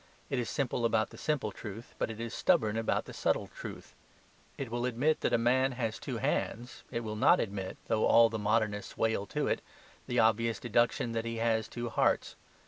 It is simple about the simple truth; but it is stubborn about the subtle truth. It will admit that a man has two hands, it will not admit (though all the Modernists wail to it) the obvious deduction that he has two hearts.